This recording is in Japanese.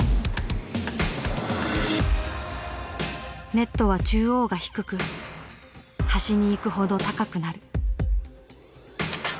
ネットは中央が低く端にいくほど高くなる。